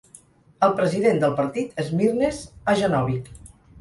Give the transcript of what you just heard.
El president del partit és Mirnes Ajanovic.